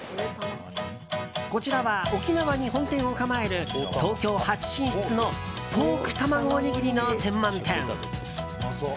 こちらは沖縄に本店を構える東京初進出のポークたまごおにぎりの専門店。